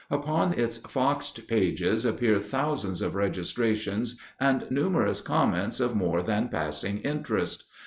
Upon its foxed pages appear thousands of registrations and numerous comments of more than passing interest.